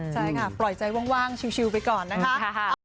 ใช่ค่ะปล่อยใจว่างชิลไปก่อนนะคะ